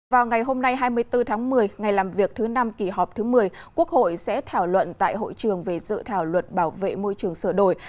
vào ngày hôm nay hai mươi bốn tháng một mươi ngày làm việc thứ năm kỳ họp thứ một mươi quốc hội sẽ thảo luận tại hội trường về dự thảo luật bảo vệ môi trường sửa đổi